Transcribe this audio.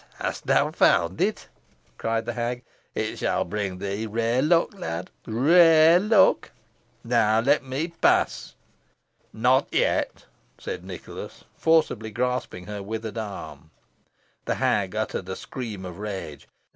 hast thou found it?" cried the hag. "It shall bring thee rare luck, lad rare luck. Now let me pass." "Not yet," cried Nicholas, forcibly grasping her withered arm. The hag uttered a scream of rage.